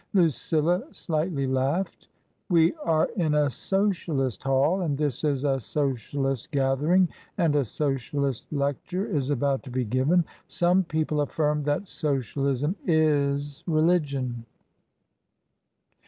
Lucilla slightly laughed. " We are in a Socialist hall, and this is a Socialist gath ering, and a Socialist lecture is about to be given. Some people affirm that Socialism is religion."